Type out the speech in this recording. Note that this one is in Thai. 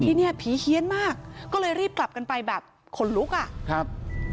เนี้ยผีเฮียนมากก็เลยรีบกลับกันไปแบบขนลุกอ่ะครับ